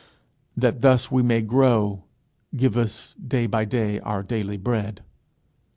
That thus we may grow, give us day by day our daily bread.